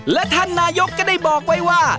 และท่านนายกก็ได้บอกไว้ว่า